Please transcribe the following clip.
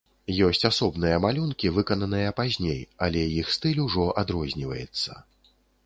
Ёсць асобныя малюнкі, выкананыя пазней, але іх стыль ужо адрозніваецца.